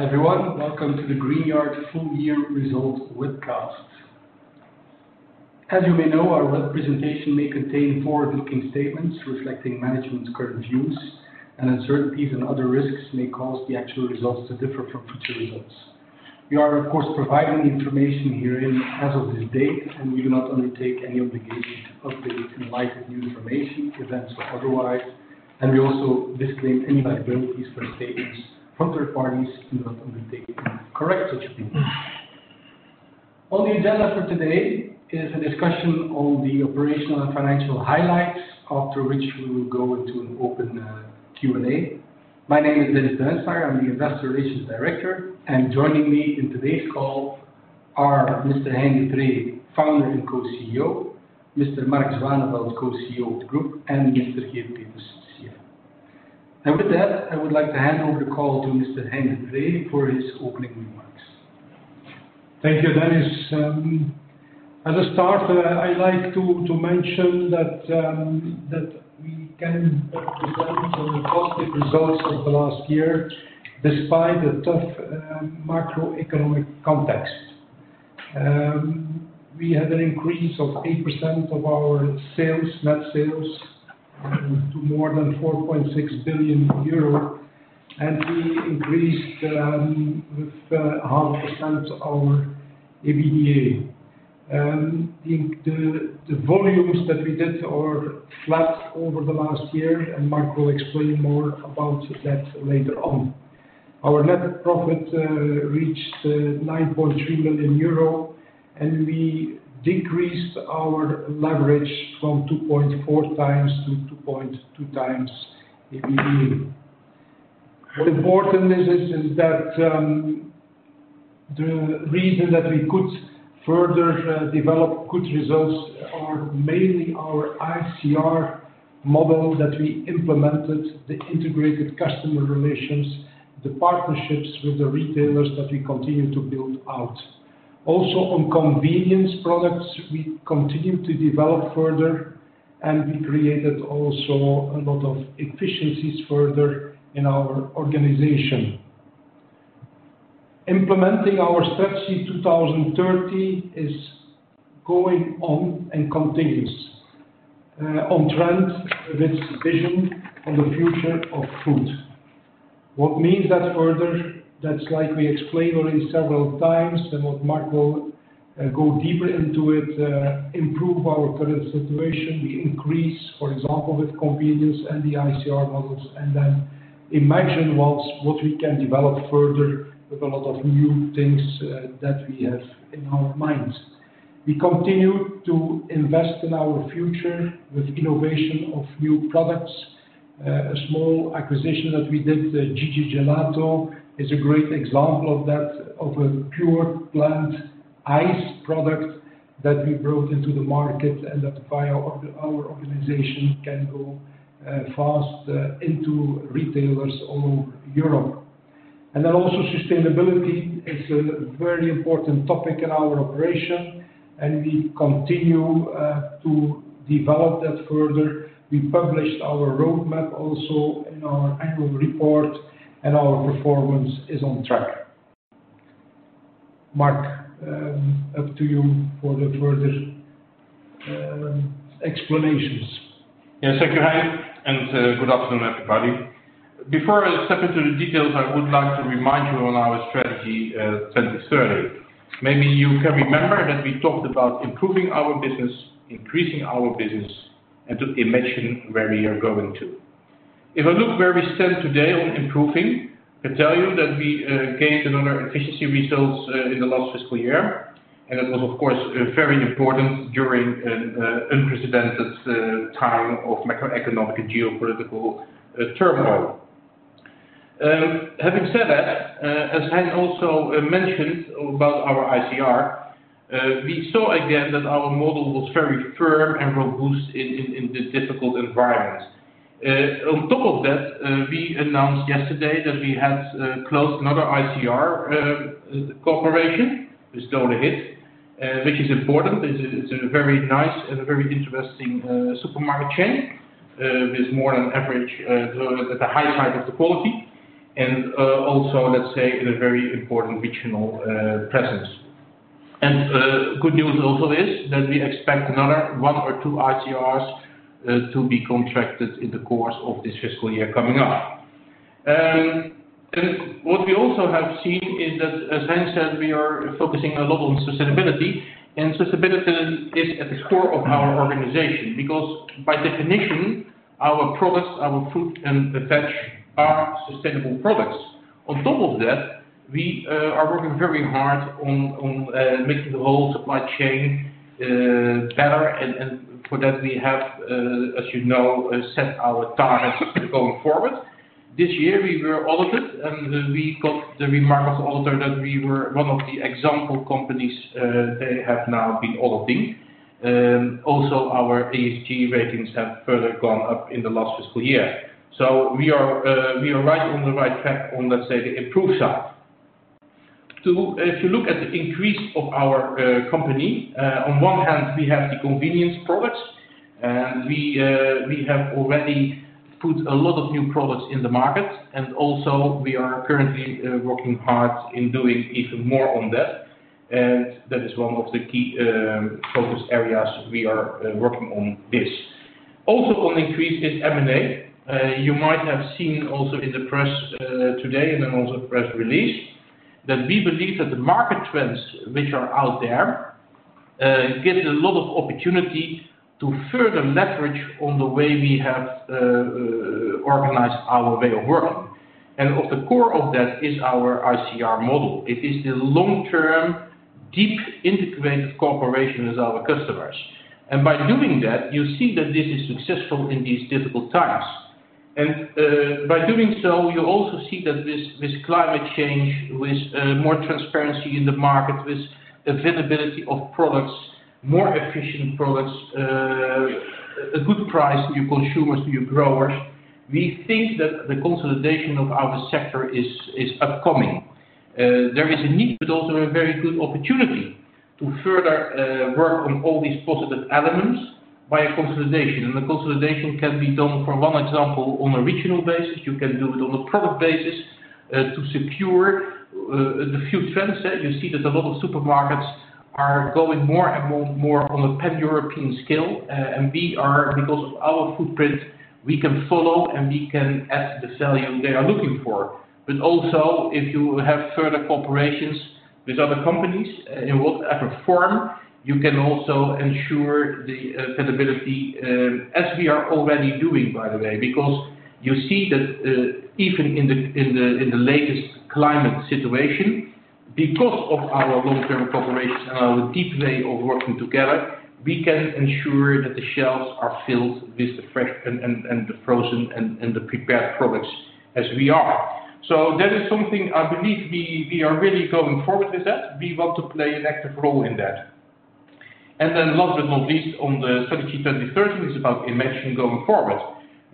Everyone, welcome to the Greenyard full year results webcast. As you may know, our web presentation may contain forward-looking statements reflecting management's current views, and uncertainties and other risks may cause the actual results to differ from future results. We are, of course, providing the information herein as of this date. We do not undertake any obligation to update in light of new information, events, or otherwise. We also disclaim any liabilities for statements from third parties do not undertake to correct such things. On the agenda for today is a discussion on the operational and financial highlights, after which we will go into an open Q&A. My name is Dennis Duinslaeger, I'm the Investor Relations Director. Joining me in today's call are Mr. Hein Deprez, founder and co-CEO, Mr. Marc Zwaaneveld, co-CEO of the group, and Mr. Geert Peeters, CFO. With that, I would like to hand over the call to Mr. Hein Deprez for his opening remarks. Thank you, Dennis Duinslaeger. As a start, I'd like to mention that we can present on the positive results of the last year, despite the tough macroeconomic context. We had an increase of 8% of our sales, net sales, to more than 4.6 billion euro. We increased with 0.5% our EBITDA. The volumes that we did are flat over the last year. Marc will explain more about that later on. Our net profit reached 9.3 million euro. We decreased our leverage from 2.4x-2.2x EBITDA. What important is that the reason that we could further develop good results are mainly our ICR model that we implemented, the integrated customer relations, the partnerships with the retailers that we continue to build out. Also, on convenience products, we continue to develop further, and we created also a lot of efficiencies further in our organization. Implementing our strategy 2030 is going on and continues on trend with vision on the future of food. What means that further? That's like we explained already several times, and what Marc will go deeper into it, improve our current situation. We increase, for example, with convenience and the ICR models, and then imagine what we can develop further with a lot of new things that we have in our minds. We continue to invest in our future with innovation of new products. A small acquisition that we did, the Gigi Gelato, is a great example of that, of a pure-plant ice product that we brought into the market and that via our organization can go fast, into retailers all over Europe. Also sustainability is a very important topic in our operation, and we continue to develop that further. We published our roadmap also in our annual report, and our performance is on track. Marc, up to you for the further explanations. Yes, thank you, Hein, and good afternoon, everybody. Before I step into the details, I would like to remind you on our strategy, 2030. Maybe you can remember that we talked about improving our business, increasing our business, and to imagine where we are going to. If I look where we stand today on improving, I tell you that we gained another efficiency results in the last fiscal year, and it was, of course, very important during an unprecedented time of macroeconomic and geopolitical turmoil. Having said that, as Hein also mentioned about our ICR, we saw again that our model was very firm and robust in the difficult environment. On top of that, we announced yesterday that we had closed another ICR cooperation with Dohle/HIT, which is important. It's a very nice and a very interesting supermarket chain, with more than average at the high side of the quality, and also, let's say, in a very important regional presence. Good news also is that we expect another one or two ICRs to be contracted in the course of this fiscal year coming up. What we also have seen is that, as Hein said, we are focusing a lot on sustainability, and sustainability is at the core of our organization, because by definition, our products, our fruit and veg, are sustainable products. On top of that, we are working very hard on making the whole supply chain better, and for that we have, as you know, set our targets going forward. This year, we were audited. We got the remark of auditor that we were one of the example companies, they have now been auditing. Also our ESG ratings have further gone up in the last fiscal year. We are right on the right track on, let's say, the improve side. If you look at the increase of our company, on one hand, we have the convenience products, and we have already put a lot of new products in the market, and also we are currently working hard in doing even more on that. That is one of the key focus areas we are working on this. Also, on increase is M&A. You might have seen also in the press today, and then also press release, that we believe that the market trends which are out there, give a lot of opportunity to further leverage on the way we have organized our way of working. Of the core of that is our ICR model. It is the long-term, deep integrated cooperation with our customers. By doing that, you see that this is successful in these difficult times. By doing so, you also see that this climate change, with more transparency in the market, with availability of products, more efficient products, a good price to your consumers, to your growers, we think that the consolidation of our sector is upcoming. There is a need, but also a very good opportunity to further work on all these positive elements by a consolidation. The consolidation can be done, for one example, on a regional basis, you can do it on a product basis to secure the future trends. You see that a lot of supermarkets are going more and more on a pan-European scale. We are, because of our footprint, we can follow and we can add the volume they are looking for. Also, if you have further corporations with other companies, in whatever form, you can also ensure the availability, as we are already doing, by the way, because you see that, even in the latest climate situation, because of our long-term cooperation with deep way of working together, we can ensure that the shelves are filled with fresh and the frozen and the prepared products as we are. That is something I believe we are really going forward with that. We want to play an active role in that. Then last but not least, on the strategy 2030 is about innovation going forward.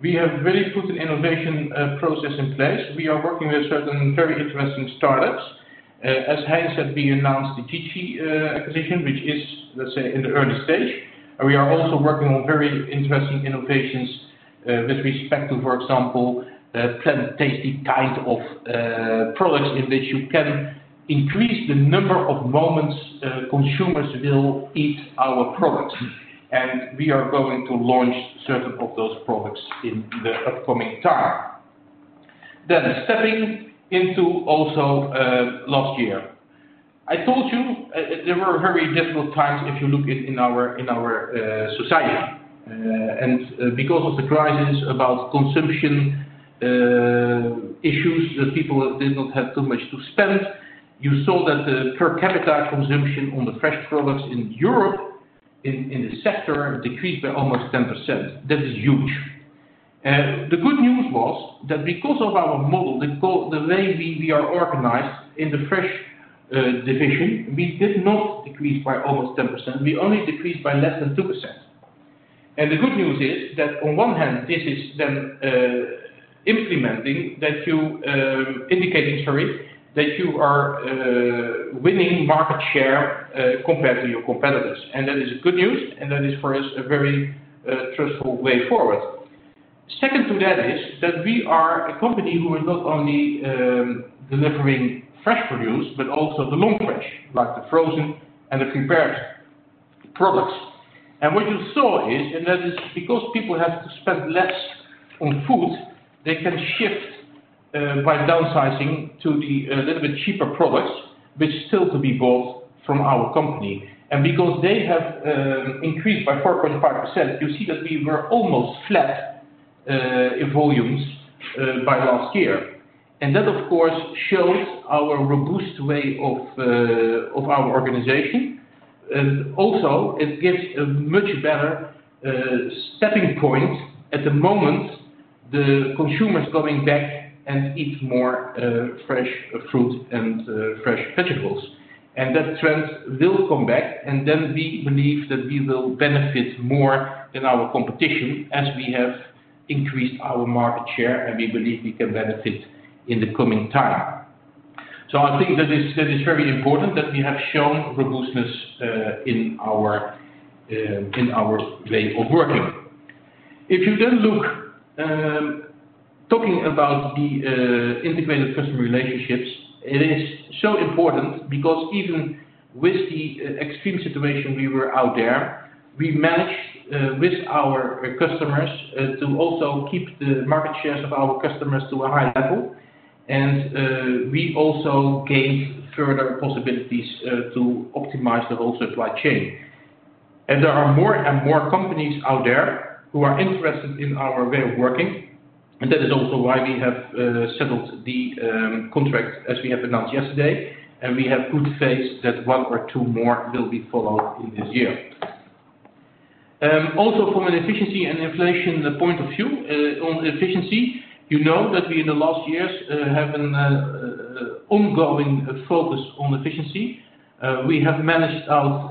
We have very good innovation process in place. We are working with certain very interesting startups. As Hein said, we announced the Gigi acquisition, which is, let's say, in the early stage. We are also working on very interesting innovations with respect to, for example, the plant-based kind of products, in which you can increase the number of moments consumers will eat our products, and we are going to launch certain of those products in the upcoming time. Stepping into also last year. I told you, there were very difficult times, if you look in our society. Because of the crisis about consumption issues, the people did not have too much to spend. You saw that the per capital consumption on the fresh products in Europe, in the sector, decreased by almost 10%. That is huge. The good news was that because of our model, the way we are organized in the Fresh division, we did not decrease by almost 10%. We only decreased by less than 2%. The good news is that on one hand, this is then implementing that you, indicating, sorry, that you are winning market share compared to your competitors. That is good news, and that is, for us, a very trustful way forward. Second to that is, that we are a company who is not only delivering fresh produce, but also the non-fresh, like the frozen and the prepared products. What you saw is, and that is because people have to spend less on food, they can shift by downsizing to the little bit cheaper products, which still to be bought from our company. Because they have increased by 4.5%, you see that we were almost flat in volumes by last year. That, of course, shows our robust way of our organization. Also, it gives a much better stepping point at the moment, the consumer is coming back and eat more fresh fruit and fresh vegetables. That trend will come back, and then we believe that we will benefit more than our competition as we have increased our market share, and we believe we can benefit in the coming time. I think that is very important, that we have shown robustness in our way of working. If you then look, talking about the integrated customer relationships, it is so important because even with the extreme situation we were out there, we managed with our customers to also keep the market shares of our customers to a high level. We also gave further possibilities to optimize the whole supply chain. There are more and more companies out there who are interested in our way of working, and that is also why we have settled the contract as we have announced yesterday, and we have good faith that one or two more will be followed in this year. Also from an efficiency and inflation point of view, on efficiency, you know that we in the last years, have an ongoing focus on efficiency. We have managed out,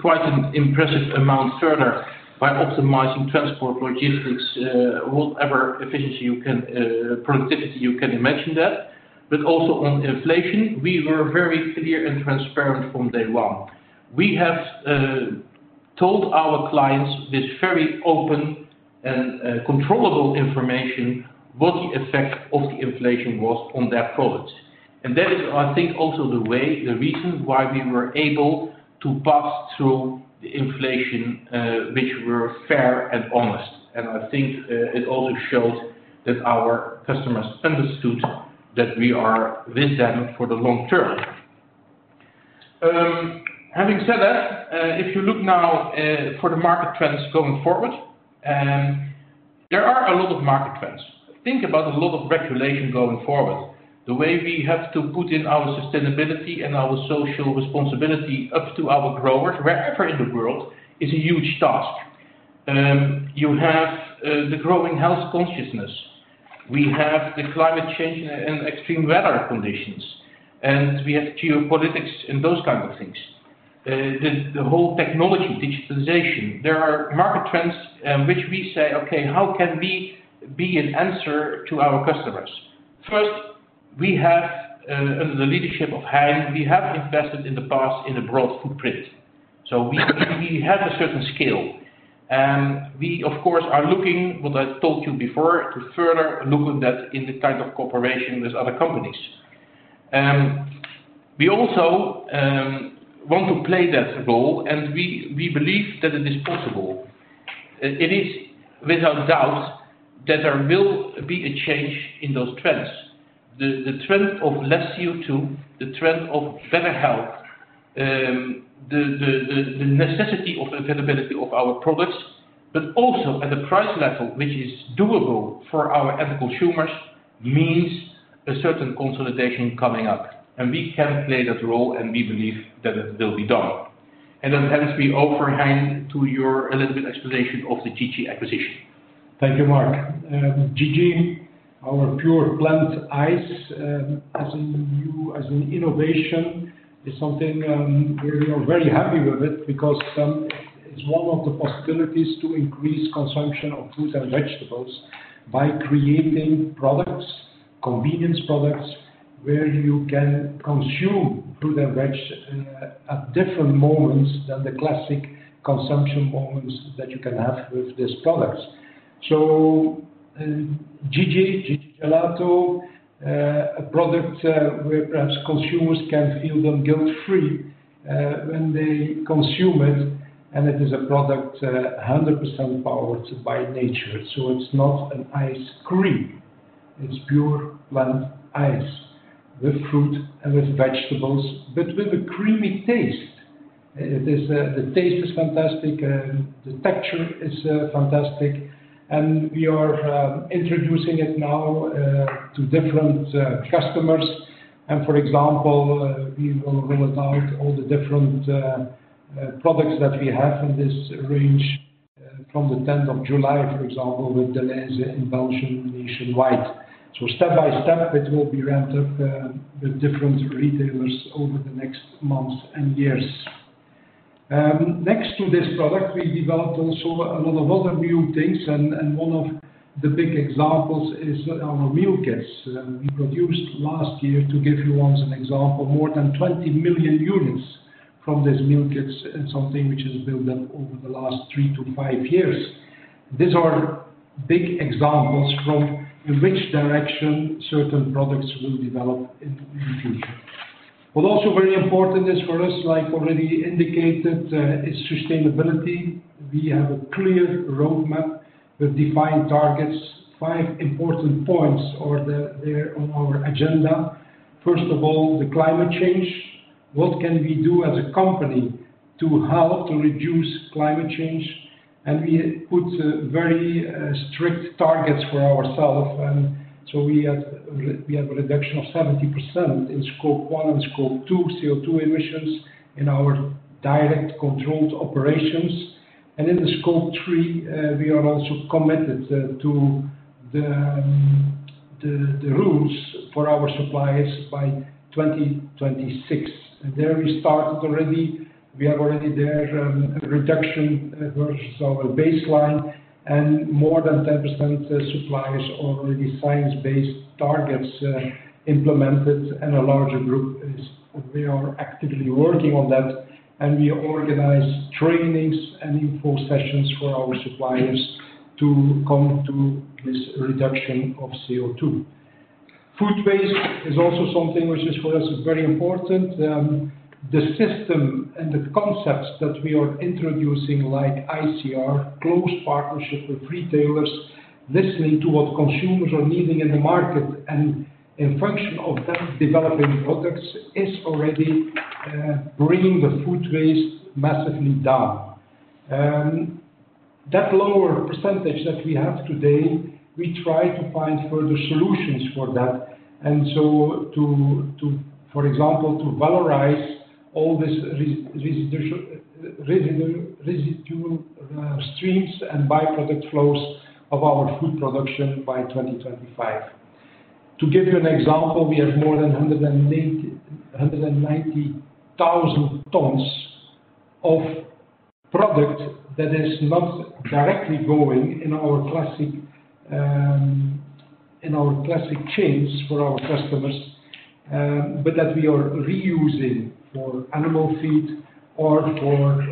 quite an impressive amount further by optimizing transport, logistics, whatever efficiency you can, productivity, you can imagine that. Also on inflation, we were very clear and transparent from day one. We have told our clients this very open and controllable information, what the effect of the inflation was on their products. That is, I think, also the way, the reason why we were able to pass through the inflation, which were fair and honest. I think, it also shows that our customers understood that we are with them for the long term. Having said that, if you look now for the market trends going forward, there are a lot of market trends. Think about a lot of regulation going forward. The way we have to put in our sustainability and our social responsibility up to our growers, wherever in the world, is a huge task. You have the growing health consciousness. We have the climate change and extreme weather conditions, we have geopolitics and those kinds of things. The whole technology, digitalization, there are market trends, which we say, "Okay, how can we be an answer to our customers?" First, we have under the leadership of Hein, we have invested in the past in a broad footprint. We, we have a certain skill, and we, of course, are looking, what I told you before, to further look on that in the type of cooperation with other companies. We also want to play that role, and we believe that it is possible. It is without doubt, that there will be a change in those trends. The, the trend of less CO2, the trend of better health, the, the necessity of availability of our products, but also at a price level, which is doable for our end consumers, means a certain consolidation coming up, and we can play that role, and we believe that it will be done. Hence, we offer, Hein, to your a little bit explanation of the Gigi acquisition. Thank you, Marc. Gigi, our pure-plant ice, as a new, as an innovation, is something we are very happy with it because it's one of the possibilities to increase consumption of fruits and vegetables by creating products, convenience products, where you can consume fruit and veg, at different moments than the classic consumption moments that you can have with these products. Gigi Gelato, a product where perhaps consumers can feel them guilt-free, when they consume it, and it is a product 100% powered by nature. It's not an ice cream, it's pure-plant ice with fruit and with vegetables, but with a creamy taste. It is. The taste is fantastic, the texture is fantastic, and we are introducing it now to different customers. For example, we will roll out all the different products that we have in this range from the 10th of July, for example, with Delhaize in Belgium, nationwide. Step by step, it will be ramped up with different retailers over the next months and years. Next to this product, we developed also a lot of other new things, and one of the big examples is our meal kits. We produced last year, to give you once an example, more than 20 million units from this meal kits, and something which is built up over the last 3-5 years. These are big examples from in which direction certain products will develop in the future. Also very important is for us, like already indicated, is sustainability. We have a clear roadmap with defined targets, 5 important points are there on our agenda. First of all, the climate change. What can we do as a company to help to reduce climate change? We put very strict targets for ourselves. We have a reduction of 70% in Scope one and Scope two, CO2 emissions in our direct controlled operations. In the Scope three, we are also committed to the rules for our suppliers by 2026. There we started already. We have already there a reduction versus our baseline, more than 10% suppliers already science-based targets implemented, and a larger group they are actively working on that. We organize trainings and info sessions for our suppliers to come to this reduction of CO2. Food waste is also something which is, for us, is very important. The system and the concepts that we are introducing, like ICR, close partnership with retailers, listening to what consumers are needing in the market, and in function of that, developing products, is already bringing the food waste massively down. That lower percentage that we have today, we try to find further solutions for that. To, for example, to valorize all this residual streams and byproduct flows of our food production by 2025. To give you an example, we have more than 190,000 tons of product that is not directly going in our classic, in our classic chains for our customers, but that we are reusing for animal feed or for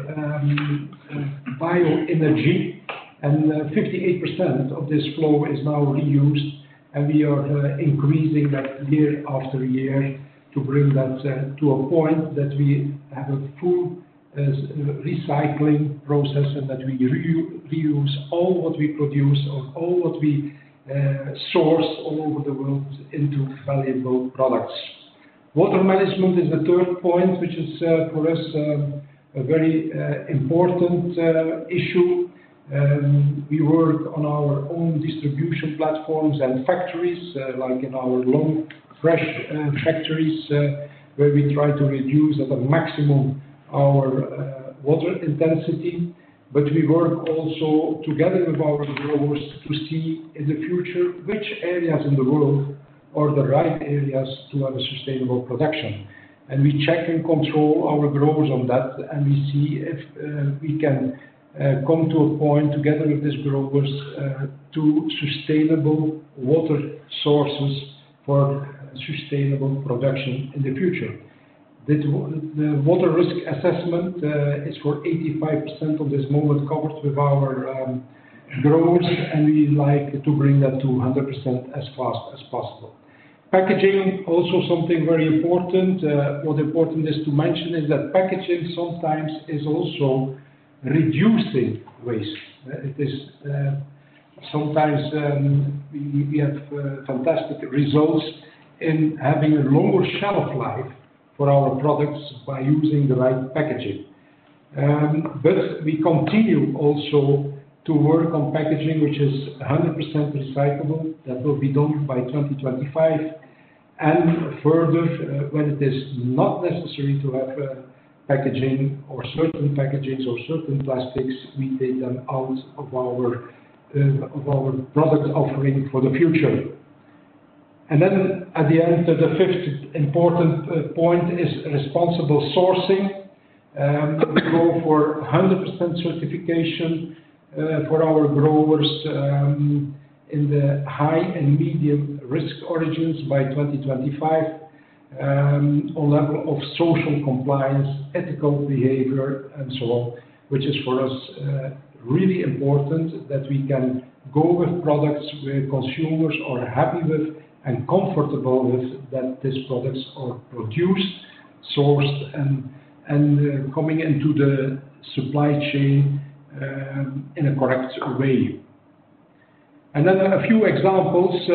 bioenergy. 58% of this flow is now reused, and we are increasing that year after year to bring that to a point that we have a full recycling process and that we reuse all what we produce or all what we source all over the world into valuable products. Water management is the third point, which is for us a very important issue. We work on our own distribution platforms and factories, like in our Long Fresh factories, where we try to reduce at a maximum our water intensity. We work also together with our growers to see in the future, which areas in the world are the right areas to have a sustainable production. We check and control our growers on that, and we see if we can come to a point together with these growers to sustainable water sources for sustainable production in the future. The water risk assessment is for 85% of this moment covered with our growers, and we like to bring that to 100% as fast as possible. Packaging, also something very important. What important is to mention is that packaging sometimes is also reducing waste. It is sometimes we have fantastic results in having a lower shelf life for our products by using the right packaging. But we continue also to work on packaging, which is 100% recyclable. That will be done by 2025. Further, when it is not necessary to have packaging or certain packaging's or certain plastics, we take them out of our product offering for the future. At the end, the fifth important point is responsible sourcing. We go for 100% certification for our growers in the high and medium risk origins by 2025 on level of social compliance, ethical behavior, and so on, which is for us really important that we can go with products where consumers are happy with and comfortable with, that these products are produced, sourced, and coming into the supply chain in a correct way. A few examples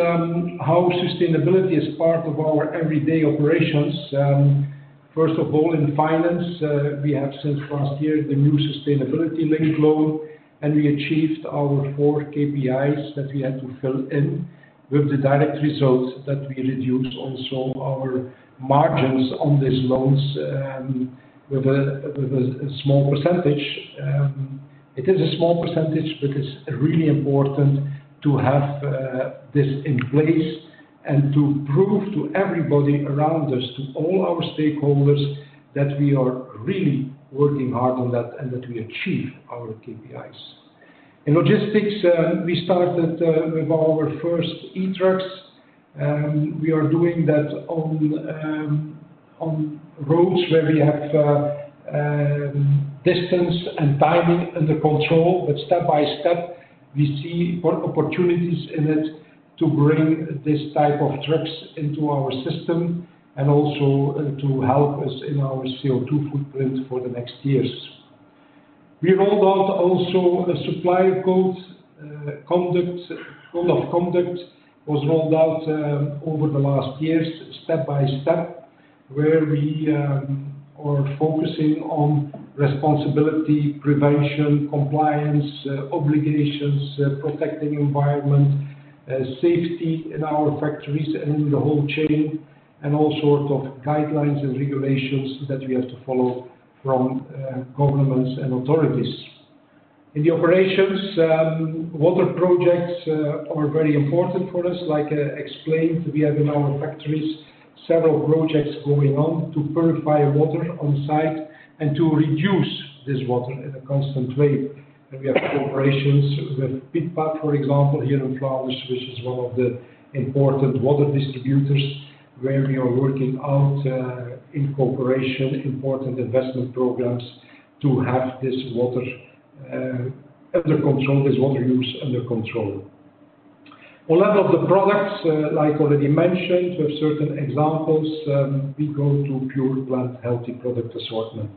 how sustainability is part of our everyday operations. First of all, in finance, we have since last year the new sustainability-linked loan, and we achieved our four KPIs that we had to fill in, with the direct results that we reduce also our margins on these loans, with a small %. It is a small %, but it's really important to have this in place and to prove to everybody around us, to all our stakeholders, that we are really working hard on that and that we achieve our KPIs. In logistics, uh, we started, uh, with our first e-trucks, and we are doing that on, um, on roads where we have, uh, um, distance and timing under control, but step by step, we see what opportunities in it to bring this type of trucks into our system and also, uh, to help us in our CO₂ footprint for the next years. We rolled out also a supplier code, uh, conduct- code of conduct, was rolled out, um, over the last years, step-by-step, where we, um, are focusing on responsibility, prevention, compliance, uh, obligations, uh, protecting environment, uh, safety in our factories and in the whole chain, and all sorts of guidelines and regulations that we have to follow from, uh, governments and authorities. In the operations, um, water projects, uh, are very important for us. Like I explained, we have in our factories several projects going on to purify water on site and to reduce this water in a constant way. We have corporations with Pidpa, for example, here in Flanders, which is one of the important water distributors, where we are working out in cooperation, important investment programs to have this water under control, this water use under control. On level of the products, like already mentioned, with certain examples, we go to pure-plant healthy product assortment.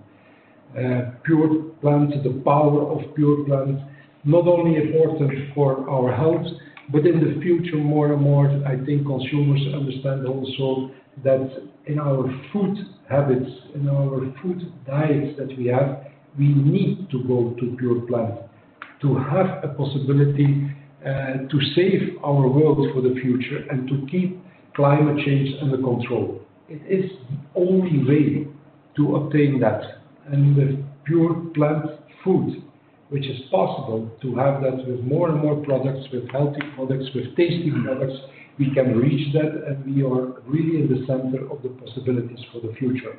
pure-plant, the power of pure-plant, not only important for our health, but in the future, more and more, I think consumers understand also that in our food habits, in our food diets that we have, we need to go to pure-plant. To have a possibility to save our world for the future and to keep climate change under control. It is the only way to obtain that, and with pure-plant food, which is possible to have that with more and more products, with healthy products, with tasty products, we can reach that, and we are really in the center of the possibilities for the future.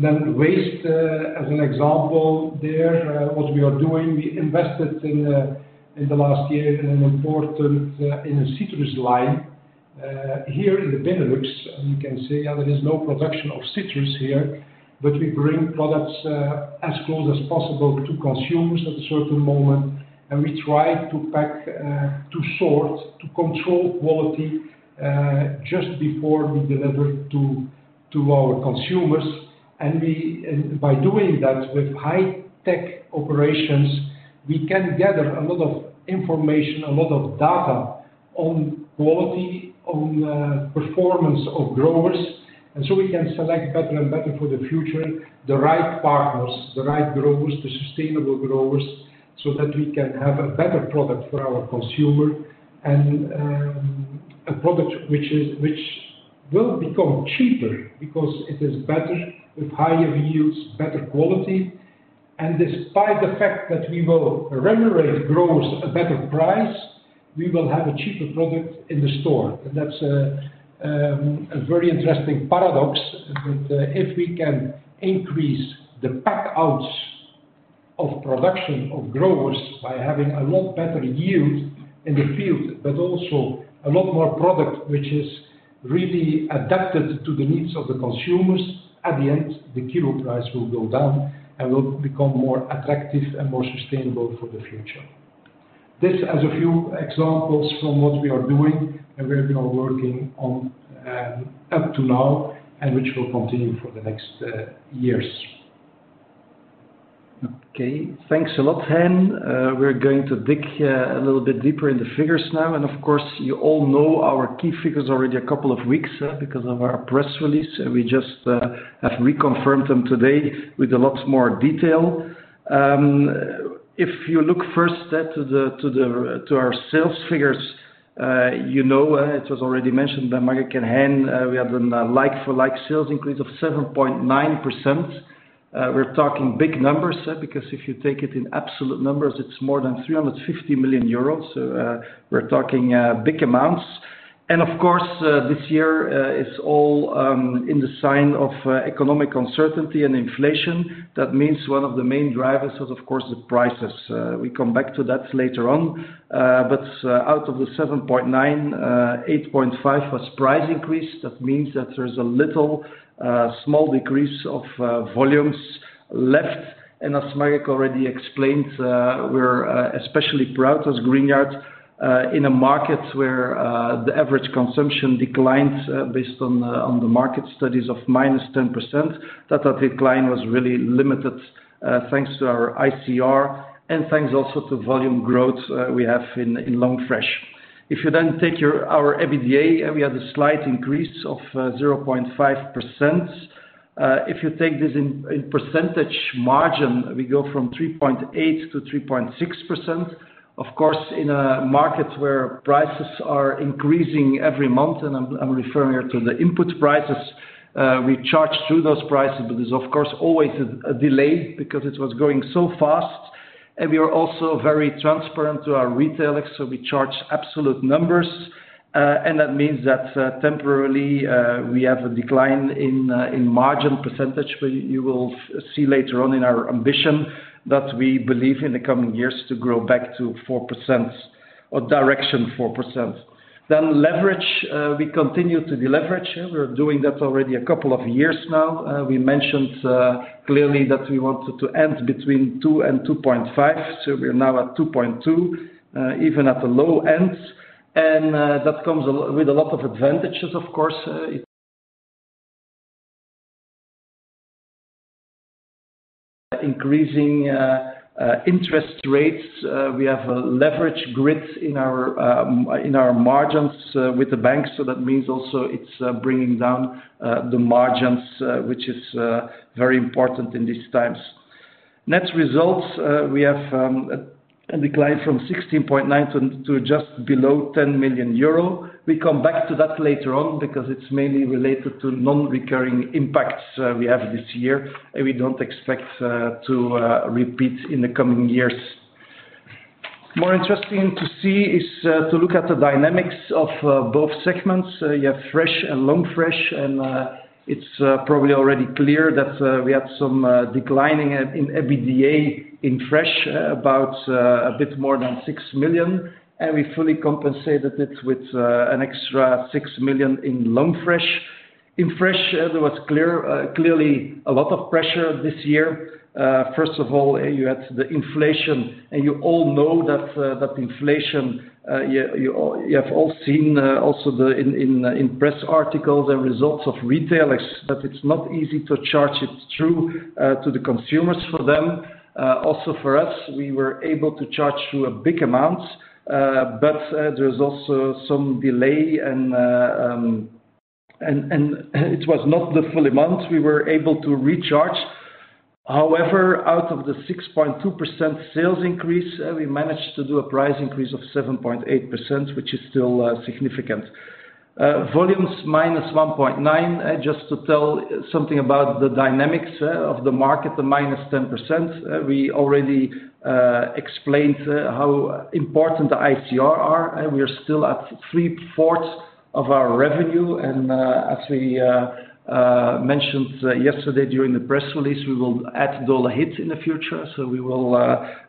Waste, as an example there, what we are doing, we invested in in the last year in an important in a citrus line here in the Benelux. You can say, there is no production of citrus here, but we bring products as close as possible to consumers at a certain moment, and we try to pack, to sort, to control quality just before we deliver to our consumers. We, and by doing that with high-tech operations, we can gather a lot of information, a lot of data on quality, on performance of growers, so we can select better and better for the future, the right partners, the right growers, the sustainable growers, so that we can have a better product for our consumer. A product which is, which will become cheaper because it is better, with higher yields, better quality. Despite the fact that we will remunerate growers a better price, we will have a cheaper product in the store. That's a very interesting paradox, that, if we can increase the pack outs of production of growers by having a lot better yield in the field, but also a lot more product, which is really adapted to the needs of the consumers, at the end, the kilo price will go down and will become more attractive and more sustainable for the future. This as a few examples from what we are doing, and we have been working on, up to now, and which will continue for the next, years. Okay. Thanks a lot, Hein. We're going to dig a little bit deeper in the figures now. Of course, you all know our key figures already a couple of weeks because of our press release. We just have reconfirmed them today with a lot more detail. If you look first at our sales figures, you know, it was already mentioned by Marc and Hein, we have a like-for-like sales increase of 7.9%. We're talking big numbers, because if you take it in absolute numbers, it's more than 350 million euros. We're talking big amounts. Of course, this year is all in the sign of economic uncertainty and inflation. That means one of the main drivers is, of course, the prices. We come back to that later on. Out of the 7.9%, 8.5% was price increase. That means that there's a little small decrease of volumes left. As Marc already explained, we're especially proud as Greenyard in a market where the average consumption declines, based on the market studies of -10%, that the decline was really limited thanks to our ICR and thanks also to volume growth we have in Long Fresh. If you then take your, our EBITDA, we had a slight increase of 0.5%. If you take this in percentage margin, we go from 3.8%-3.6%. Of course, in a market where prices are increasing every month, I'm referring here to the input prices, we charge through those prices, but there's, of course, always a delay because it was going so fast. We are also very transparent to our retailers. We charge absolute numbers. That means that, temporarily, we have a decline in margin percentage. You will see later on in our ambition that we believe in the coming years to grow back to 4%, or direction 4%. Leverage, we continue to deleverage. We're doing that already a couple of years now. We mentioned clearly that we wanted to end between 2 and 2.5, so we're now at 2.2, even at the low end. And, uh, that comes a lo- with a lot of advantages, of course, uh, it—Increasing, uh, uh, interest rates, uh, we have a leverage grid in our, um, in our margins, uh, with the bank, so that means also it's, uh, bringing down, uh, the margins, uh, which is, uh, very important in these times. Net results, uh, we have, um, a, a decline from sixteen point nine to, to just below ten million euro. We come back to that later on because it's mainly related to non-recurring impacts, uh, we have this year, and we don't expect, uh, to, uh, repeat in the coming years. More interesting to see is, uh, to look at the dynamics of, uh, both segments. You have Fresh and Long Fresh. It's probably already clear that we had some declining in EBITDA in Fresh, about a bit more than 6 million, and we fully compensated it with an extra 6 million in Long Fresh. In Fresh, there was clear, clearly a lot of pressure this year. First of all, you had the inflation. You all know that that inflation, you have all seen also the in press articles and results of retailers, that it's not easy to charge it through to the consumers for them. Also for us, we were able to charge through a big amount, but there's also some delay and it was not the full amount we were able to recharge. However, out of the 6.2% sales increase, we managed to do a price increase of 7.8%, which is still significant. Volumes minus 1.9, just to tell something about the dynamics of the market, the minus 10%. We already explained how important the ICR are, and we are still at 3/4 of our revenue. As we mentioned yesterday during the press release, we will add all the Dohle/HITs in the future. So we will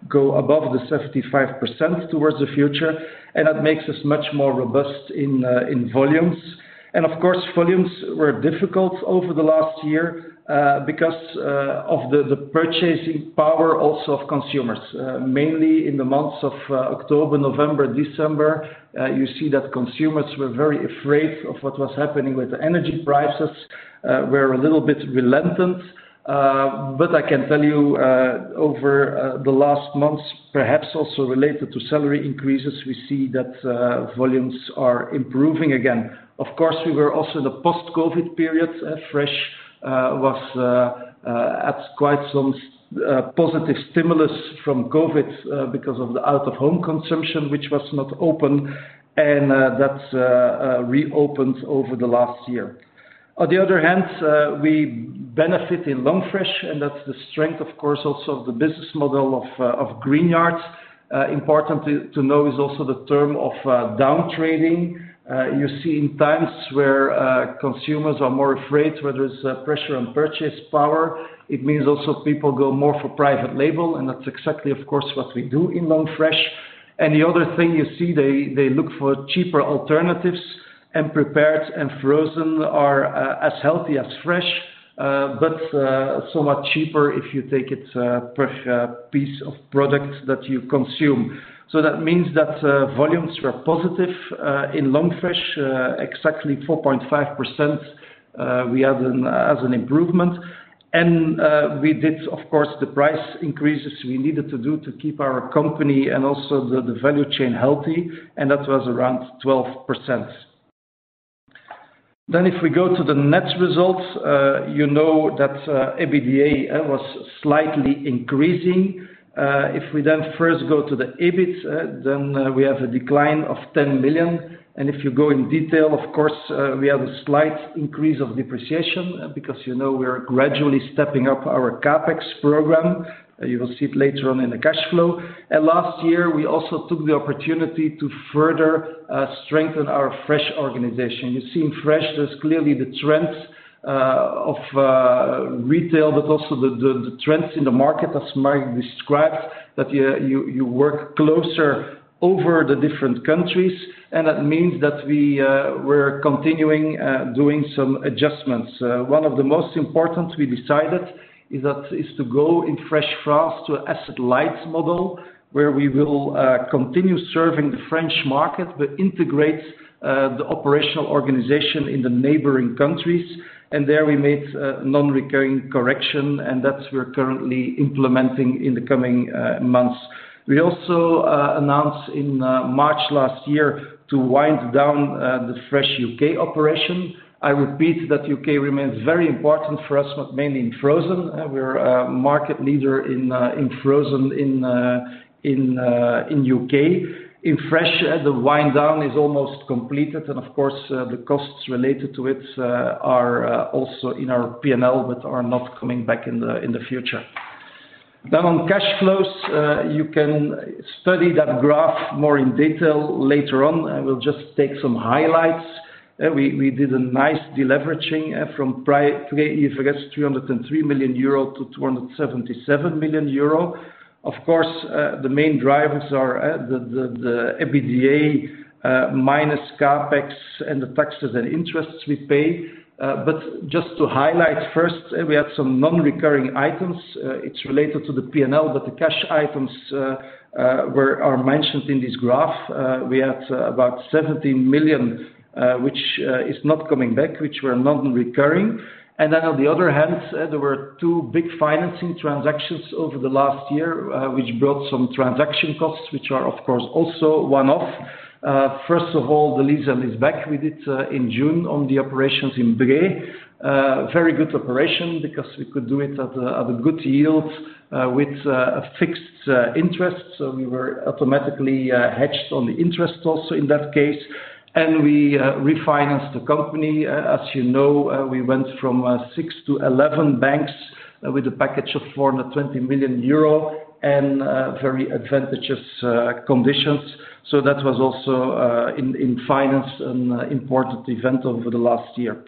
go above the 75% towards the future, and that makes us much more robust in volumes. Of course, volumes were difficult over the last year because of the purchasing power also of consumers. Mainly in the months of October, November, December, you see that consumers were very afraid of what was happening with the energy prices, were a little bit relented. I can tell you, over the last months, perhaps also related to salary increases, we see that volumes are improving again. Of course, we were also in the post-COVID period, Fresh was at quite some positive stimulus from COVID, because of the out-of-home consumption, which was not open, that reopened over the last year. On the other hand, we benefit in Long Fresh, that's the strength, of course, also of the business model of Greenyard. Important to know is also the term of downtrading. You see in times where consumers are more afraid, where there's pressure on purchase power, it means also people go more for private label. That's exactly, of course, what we do in Long Fresh. The other thing you see, they look for cheaper alternatives, and prepared and frozen are as healthy as fresh, but so much cheaper if you take it per piece of product that you consume. That means that volumes were positive in Long Fresh, exactly 4.5%, we had as an improvement. We did, of course, the price increases we needed to do to keep our company and also the value chain healthy, and that was around 12%. If we go to the net results, you know that EBITDA was slightly increasing. If we first go to the EBIT, then we have a decline of 10 million. If you go in detail, of course, we have a slight increase of depreciation, because you know, we are gradually stepping up our CapEx program. You will see it later on in the cash flow. Last year, we also took the opportunity to further strengthen our Fresh organization. You see, in Fresh, there's clearly the trends of retail, but also the trends in the market, as Marc described, that you work closer over the different countries, and that means that we're continuing doing some adjustments. One of the most important we decided is that, is to go in Greenyard Fresh France to an asset light model, where we will continue serving the French market, but integrate the operational organization in the neighboring countries. And there we made a non-recurring correction, and that we're currently implementing in the coming months. We also announced in March last year to wind down the Greenyard Fresh UK operation. I repeat, that U.K. remains very important for us, but mainly in frozen. We're a market leader in frozen in U.K. In fresh, the wind down is almost completed, and of course, the costs related to it are also in our PNL, but are not coming back in the future. On cash flows, you can study that graph more in detail later on. I will just take some highlights. We did a nice deleveraging from 303 million euro to 277 million euro. Of course, the main drivers are the EBITDA minus CapEx and the taxes and interests we pay. Just to highlight first, we had some non-recurring items. It's related to the PNL, but the cash items are mentioned in this graph. We had about 17 million which is not coming back, which were non-recurring. On the other hand, there were two big financing transactions over the last year, which brought some transaction costs, which are, of course, also one-off. First of all, the sale and leaseback with it in June on the operations in Bree. Very good operation because we could do it at a good yield with a fixed interest. We were automatically hedged on the interest also in that case, and we refinanced the company. As you know, we went from six to eleven banks with a package of 420 million euro and very advantageous conditions. That was also in finance, an important event over the last year.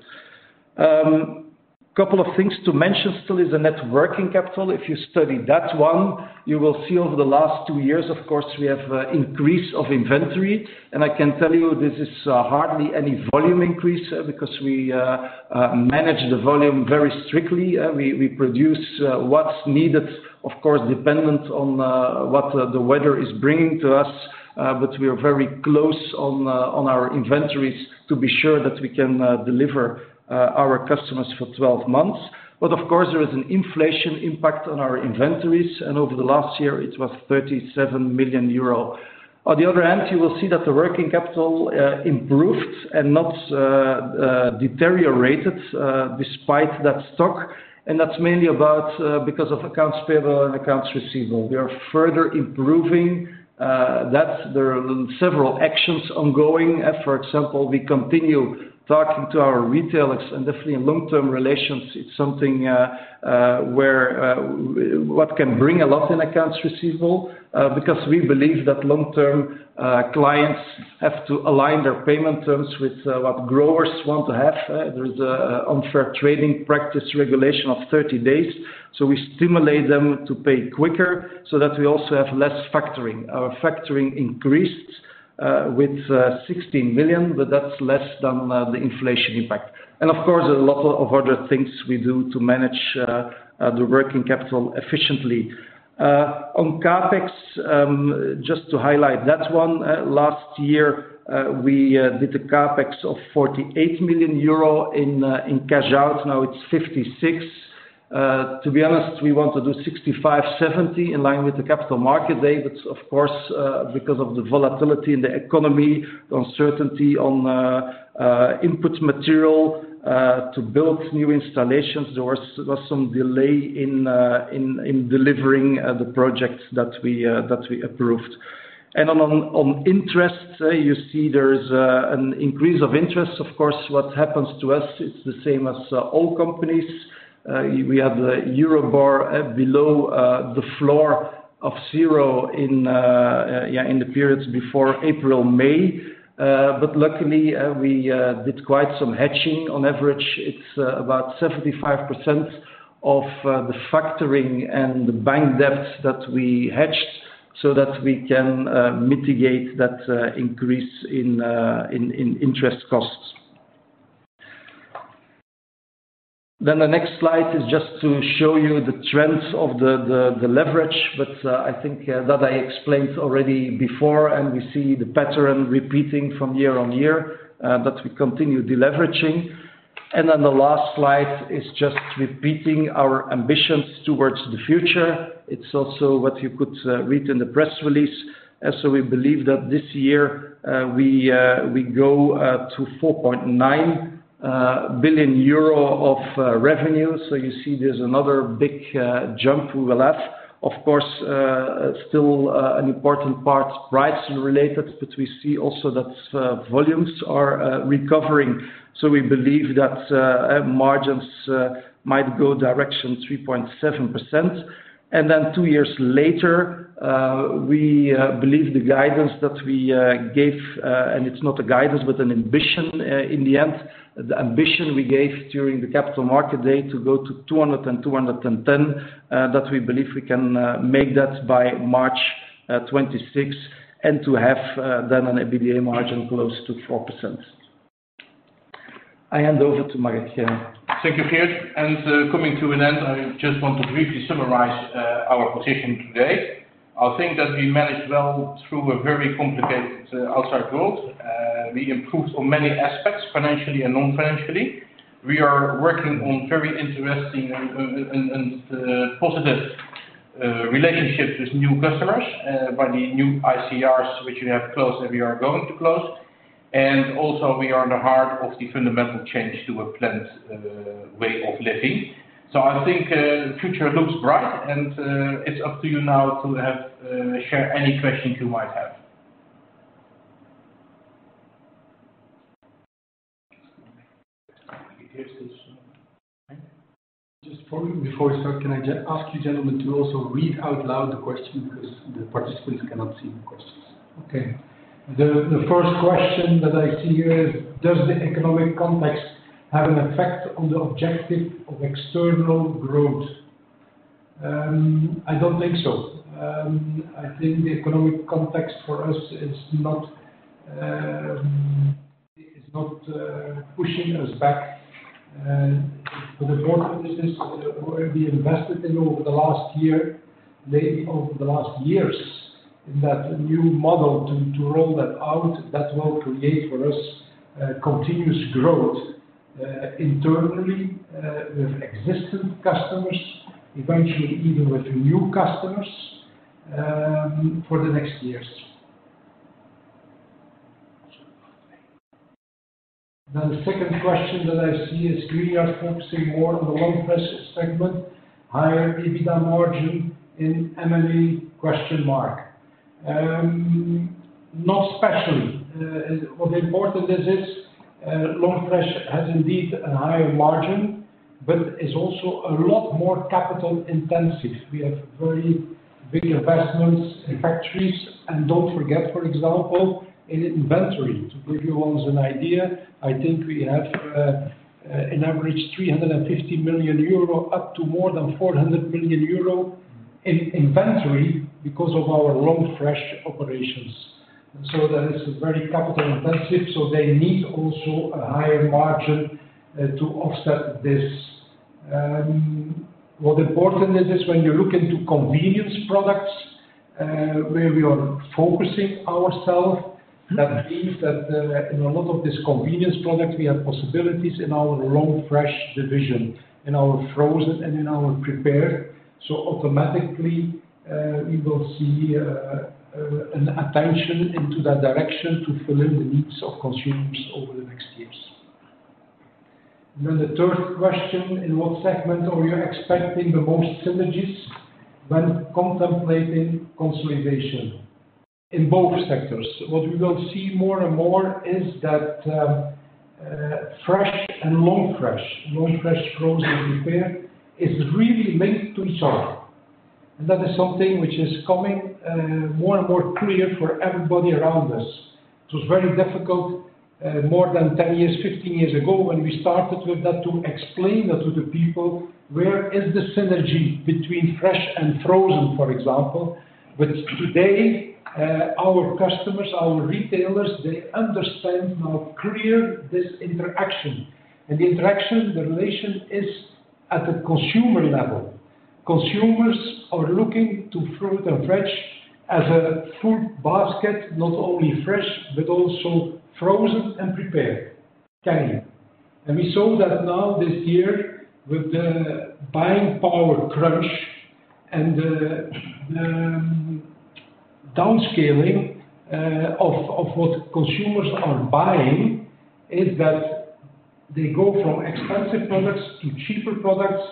Couple of things to mention still is the net working capital. If you study that one, you will see over the last two years, of course, we have increase of inventory. I can tell you this is hardly any volume increase because we manage the volume very strictly. We produce what's needed, of course, dependent on what the weather is bringing to us. We are very close on our inventories to be sure that we can deliver our customers for 12 months. Of course, there is an inflation impact on our inventories, and over the last year, it was 37 million euro. On the other hand, you will see that the working capital improved and not deteriorated despite that stock. That's mainly about because of accounts payable and accounts receivable. We are further improving that there are several actions ongoing. For example, we continue talking to our retailers, definitely in long-term relations, it's something where what can bring a lot in accounts receivable, because we believe that long-term clients have to align their payment terms with what growers want to have. There's an Unfair Trading Practices regulation of 30 days, we stimulate them to pay quicker so that we also have less factoring. Our factoring increased with 16 million, that's less than the inflation impact. Of course, a lot of other things we do to manage the working capital efficiently. On CapEx, just to highlight that one, last year, we did a CapEx of 48 million euro in cash out, now it's 56. To be honest, we want to do 65%-70%, in line with the Capital Markets Day, but of course, because of the volatility in the economy, uncertainty on the input material, to build new installations, there was some delay in delivering the projects that we approved. On interest, you see there is an increase of interest. Of course, what happens to us, it's the same as all companies. We have the EURIBOR below the floor of 0 in the periods before April, May. Luckily, we did quite some hedging. On average, it's about 75% of the factoring and the bank debt that we hedged so that we can mitigate that increase in interest costs. The next slide is just to show you the trends of the leverage. I think that I explained already before, and we see the pattern repeating from year on year, but we continue deleveraging. The last slide is just repeating our ambitions towards the future. It's also what you could read in the press release. We believe that this year, we go to 4.9 billion euro of revenue. You see there's another big jump we will have. Of course, still an important part, price related, but we see also that volumes are recovering. We believe that margins might go direction 3.7%. Then two years later, we believe the guidance that we gave, and it's not a guidance, but an ambition, in the end. The ambition we gave during the Capital Markets Day, to go to 200-210, that we believe we can make that by March 26th, and to have then an EBITDA margin close to 4%. I hand over to Marc. Thank you, Geert, coming to an end, I just want to briefly summarize our position today. I think that we managed well through a very complicated outside world. We improved on many aspects, financially and non-financially. We are working on very interesting and positive relationships with new customers, by the new ICRs, which we have closed, and we are going to close. Also, we are in the heart of the fundamental change to a plant way of living. I think the future looks bright, and it's up to you now to share any questions you might have. Here's this. Just before we start, can I just ask you, gentlemen, to also read out loud the question because the participants cannot see the questions? Okay. The first question that I see here is, does the economic context have an effect on the objective of external growth? I don't think so. I think the economic context for us is not pushing us back. The businesses where we invested in over the last year, maybe over the last years, in that new model to roll that out, that will create for us a continuous growth, internally, with existing customers, eventually, even with new customers, for the next years. The second question that I see is, we are focusing more on the Long Fresh segment, higher EBITDA margin in ME? Not especially. What important is this, Long Fresh has indeed a higher margin, but is also a lot more capital intensive. We have very big investments in factories. Don't forget, for example, in inventory. To give you all as an idea, I think we have an average 350 million euro, up to more than 400 million euro in inventory because of our Long Fresh operations. That is very capital intensive, they need also a higher margin to offset this. What important is this, when you look into convenience products, where we are focusing ourself? That means that, in a lot of this convenience products, we have possibilities in our Long Fresh division, in our frozen, and in our prepared. Automatically, we will see an attention into that direction to fill in the needs of consumers over the next years. The third question, in what segment are you expecting the most synergies when contemplating consolidation? In both sectors. What we will see more and more is that Fresh and Long Fresh, Long Fresh, frozen, prepared, is really linked to each other. That is something which is coming more and more clear for everybody around us. It was very difficult, more than 10 years, 15 years ago, when we started with that, to explain that to the people, where is the synergy between fresh and frozen, for example? Today, our customers, our retailers, they understand how clear this interaction. The interaction, the relation is at the consumer level. Consumers are looking to fruit and fresh as a food basket, not only fresh, but also frozen and prepared, canning. We saw that now this year with the buying power crunch and the downscaling of what consumers are buying, is that they go from expensive products to cheaper products.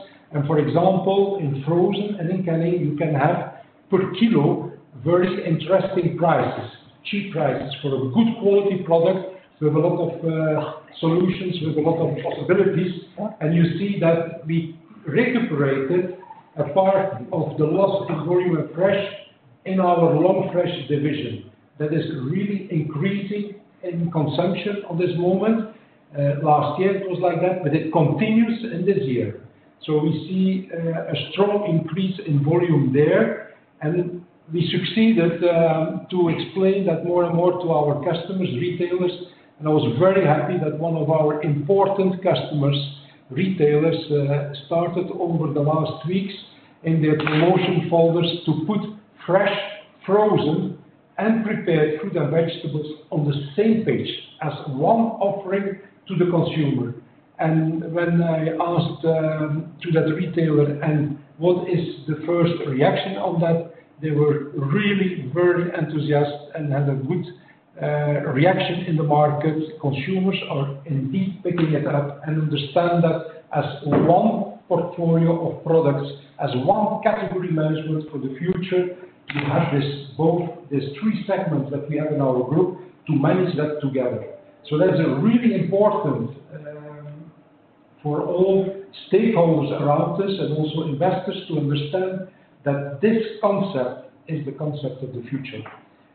For example, in frozen and in canning, you can have per kilo, very interesting prices, cheap prices for a good quality product, with a lot of solutions, with a lot of possibilities. You see that we recuperated a part of the loss in volume of fresh in our Long Fresh division. That is really increasing in consumption on this moment. Last year it was like that, it continues in this year. We see a strong increase in volume there, and we succeeded to explain that more and more to our customers, retailers. I was very happy that one of our important customers, retailers, started over the last weeks in their promotion folders to put fresh, frozen, and prepared fruit and vegetables on the same page as one offering to the consumer. When I asked to that retailer, "What is the first reaction on that?" They were really very enthusiastic and had a good reaction in the market. Consumers are indeed picking it up and understand that as one portfolio of products, as one category management for the future, you have this both, these three segments that we have in our group to manage that together. That's a really important for all stakeholders around us and also investors to understand that this concept is the concept of the future,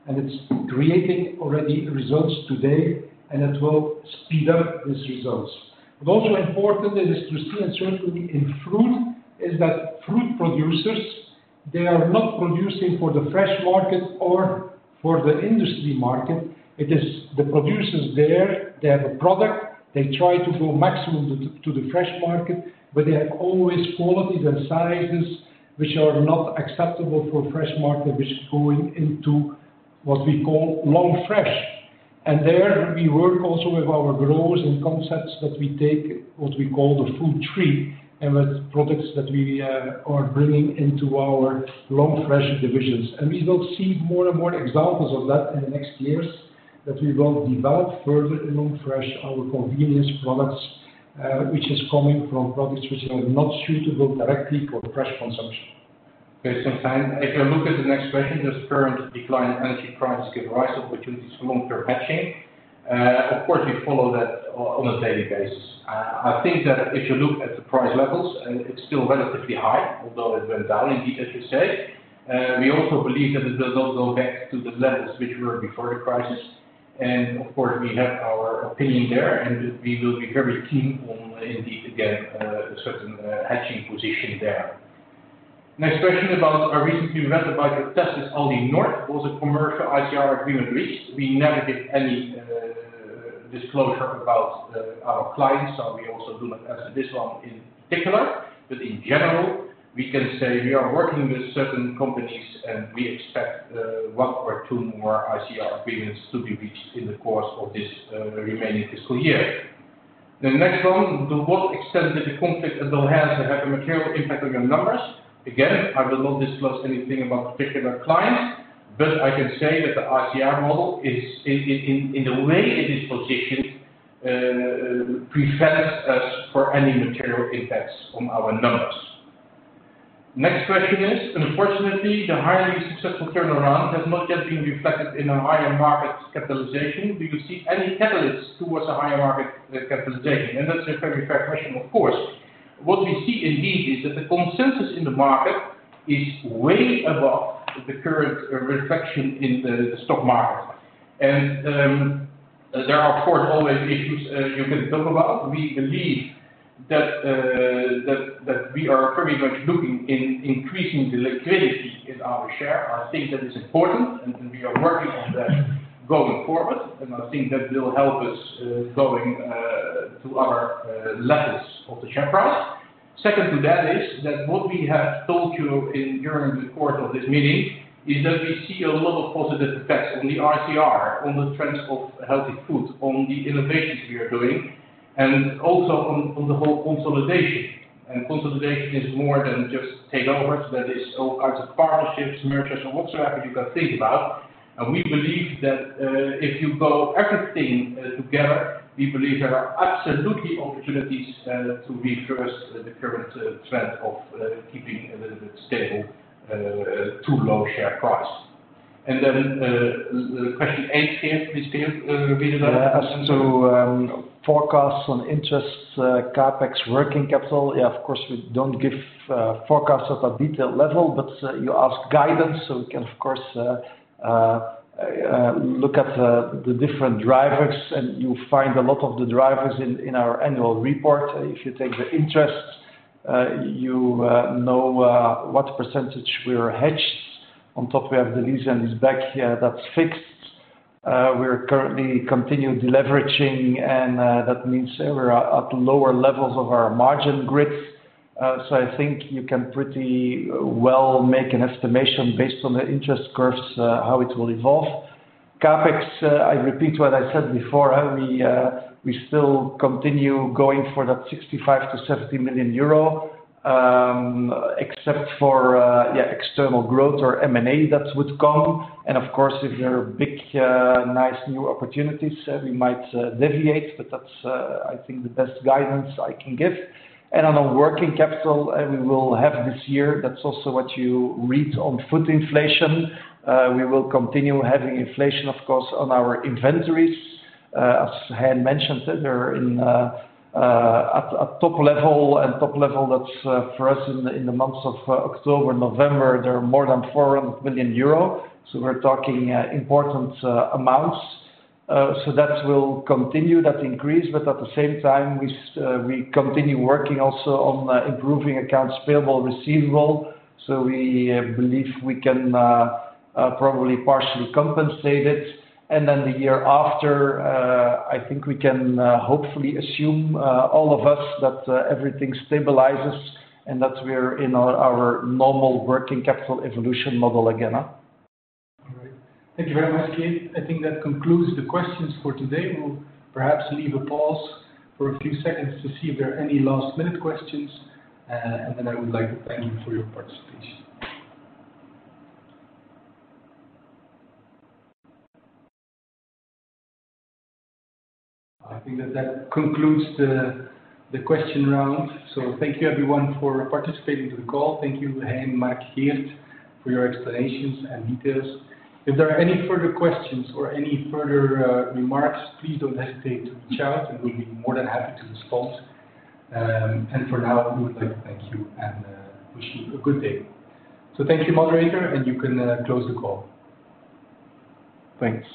and it's creating already results today, and it will speed up these results. Important is to see, and certainly in fruit, is that fruit producers, they are not producing for the fresh market or for the industry market. It is the producers there, they have a product, they try to go maximum to the fresh market, but they have always qualities and sizes which are not acceptable for fresh market, which is going into what we call Long Fresh. There, we work also with our growers and concepts that we take, what we call the food tree, and with products that we are bringing into our Long Fresh divisions. We will see more and more examples of that in the next years, that we will develop further in Long Fresh, our convenience products, which is coming from products which are not suitable directly for fresh consumption. Okay, if you look at the next question, does current decline in energy prices give rise to opportunities for long-term matching? Of course, we follow that on a daily basis. I think that if you look at the price levels, and it's still relatively high, although it went down indeed, as you say. We also believe that it will not go back to the levels which were before the crisis. Of course, we have our opinion there, and we will be very keen on indeed, getting a certain hatching position there. Next question about a recently read about the test is Aldi Nord, was a commercial ICR agreement reached? We never give any disclosure about our clients. We also do not answer this one in particular. In general, we can say we are working with certain companies, and we expect one or two more ICR agreements to be reached in the course of this remaining fiscal year. The next one, to what extent did the conflict in Dohle have a material impact on your numbers? Again, I will not disclose anything about particular clients. I can say that the ICR model is in the way it is positioned, prevents us for any material impacts on our numbers. Next question is, unfortunately, the highly successful turnaround has not yet been reflected in a higher market capitalization. Do you see any catalysts towards a higher market capitalization? That's a very fair question, of course. What we see indeed, is that the consensus in the market is way above the current reflection in the stock market. There are, of course, always issues, you can talk about. We believe that we are very much looking in increasing the liquidity in our share. I think that is important, and we are working on that going forward, and I think that will help us going. To our levels of the share price. Second to that is that what we have told you in during the course of this meeting, is that we see a lot of positive effects on the RCR, on the trends of healthy food, on the innovations we are doing, and also on the whole consolidation. Consolidation is more than just takeovers, that is all kinds of partnerships, mergers, and whatsoever you can think about. We believe that, if you go everything together, we believe there are absolutely opportunities to reverse the current trend of keeping a little bit stable to low share price. Then, the question eight here, please, Geert, read it out? Forecasts on interests, CapEx, working capital, yeah, of course, we don't give forecasts at a detailed level. You ask guidance, we can, of course, look at the different drivers, and you find a lot of the drivers in our annual report. If you take the interest, you know what percentage we are hedged. We have the sale and leaseback here, that's fixed. We're currently continuing deleveraging, and that means we're at lower levels of our margin grids. I think you can pretty well make an estimation based on the interest curves, how it will evolve. I repeat what I said before, we still continue going for that 65 million-70 million euro, except for, yeah, external growth or M&A, that would come. Of course, if there are big, nice new opportunities, we might deviate, but that's, I think the best guidance I can give. On a working capital, we will have this year, that's also what you read on food inflation. We will continue having inflation, of course, on our inventories. As I had mentioned, they're in at a top level, and top level that's for us in the months of October, November, there are more than 400 million euro, so we're talking important amounts. So that will continue, that increase, but at the same time, we continue working also on improving accounts payable, receivable, so we believe we can probably partially compensate it. Then the year after, I think we can, hopefully assume, all of us that, everything stabilizes and that we're in our normal working capital evolution model again. All right. Thank you very much, Geert. I think that concludes the questions for today. We'll perhaps leave a pause for a few seconds to see if there are any last-minute questions, and then I would like to thank you for your participation. I think that concludes the question round. Thank you everyone for participating to the call. Thank you, Hein, Marc, Geert, for your explanations and details. If there are any further questions or any further remarks, please don't hesitate to reach out, and we'll be more than happy to respond. For now, we would like to thank you and wish you a good day. Thank you, moderator, and you can close the call. Thanks.